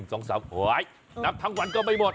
หนับทั้งวันก็ไม่หมด